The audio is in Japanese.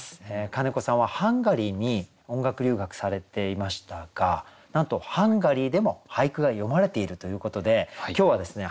金子さんはハンガリーに音楽留学されていましたがなんとハンガリーでも俳句が詠まれているということで今日はですね